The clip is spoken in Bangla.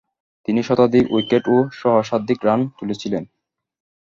তিনি শতাধিক উইকেট ও সহস্রাধিক রান তুলেছিলেন।